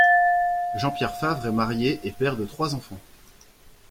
Jean-Pierre Fabre est marié et père de trois enfants.